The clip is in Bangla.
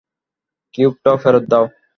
কিউবটা ফেরত দাও।